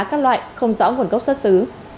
các loại không rõ nguồn gốc xuất xứ